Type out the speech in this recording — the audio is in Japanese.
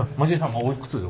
今おいくつで？